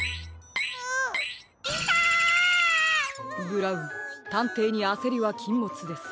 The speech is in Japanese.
ブラウンたんていにあせりはきんもつです。